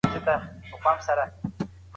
زرین انځور ویل چي د داستان څېړنه کار غواړي.